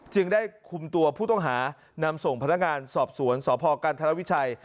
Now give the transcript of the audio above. จึงได้คุมตัวผู้ต้องหานำส่งพนักงานสอบสวนสพกันธรวิชัย